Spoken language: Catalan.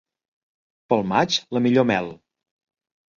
Pel maig, la millor mel.